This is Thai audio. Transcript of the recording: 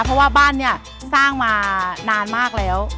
เพราะว่าบ้านเนี่ยสร้างมานานมากแล้ว